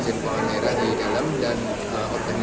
semoga tidak terjadi korban